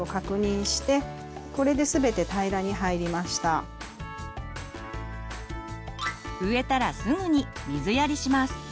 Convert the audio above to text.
苗の植えたらすぐに水やりします。